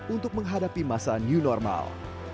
untuk menghadapi masa new normal